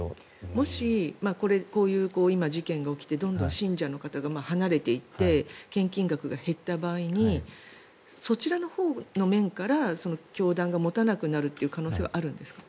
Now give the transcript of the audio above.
もし今、事件が起きてどんどん信者の方が離れていって献金額が減った場合にそちらのほうの面から教団が持たなくなるという可能性はあるんですか？